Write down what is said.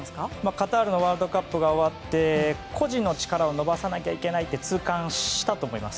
カタールのワールドカップが終わって個人の力を伸ばさなきゃいけないと痛感したと思います。